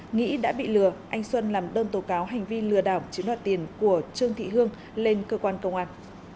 nghĩ đã bị lừa anh xuân làm đơn tố cáo hành vi lừa đảo chiếm đoạt tiền của trương thị hương lên cơ quan công an